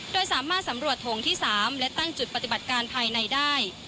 โดยสามารถสำรวจโถงที่๓และตั้งจุดปฏิบัติการภายในได้